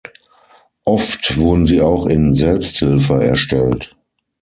Oft wurden sie auch in Selbsthilfe erstellt.